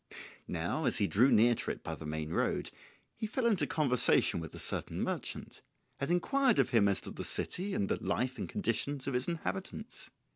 Now as he drew near to it by the main road, he fell into conversation with a certain merchant, and inquired of him as to the city and the life and conditions of its inhabitants.